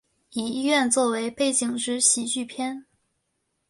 以医院作为背景之喜剧片。